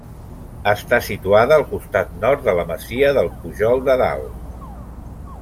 Està situada al costat nord de la masia del Pujol de Dalt.